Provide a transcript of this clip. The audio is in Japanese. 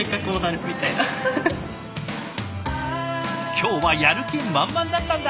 今日はやる気満々だったんだ！